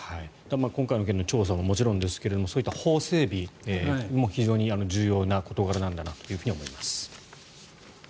今回の件の調査ももちろんですがそういった法整備も重要な事柄なんだと思います。